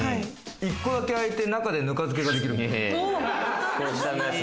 １個だけ開いて、中でぬか漬けができる。